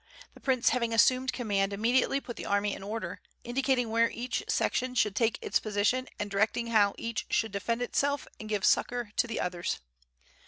The prince having assumed command immediately put the army in order, indicating where each section should take its position and directing how each should defend itself and give succor to the others.